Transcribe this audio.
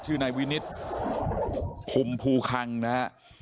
ชื่อในนายวินิศพุ่มภูคังนะฮะ